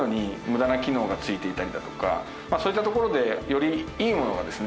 そういったところでよりいいものをですね